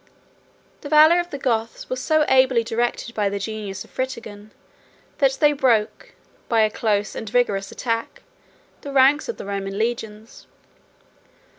The valor of the Goths was so ably directed by the genius of Fritigern, that they broke, by a close and vigorous attack, the ranks of the Roman legions.